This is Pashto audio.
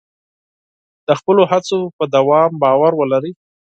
د خپلو هڅو په دوام باور ولرئ.